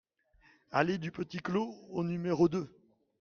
Allée du Petit Clos au numéro deux